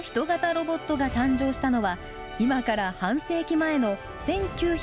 ロボットが誕生したのは今から半世紀前の１９７３年。